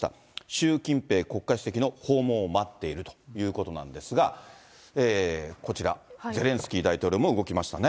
習近平国家主席の訪問を待っているということなんですが、こちら、ゼレンスキー大統領も動きましたね。